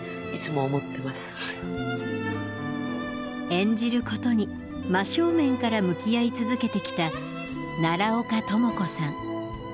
演じることに真正面から向き合い続けてきた奈良岡朋子さん。